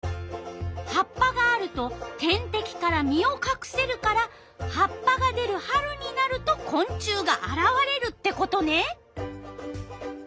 葉っぱがあると天敵から身をかくせるから葉っぱが出る春になるとこん虫があらわれるってことね！